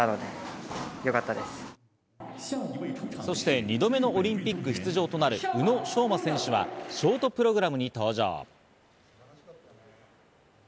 そして２度目のオリンピック出場となる宇野昌磨選手はショートプログラムに登場。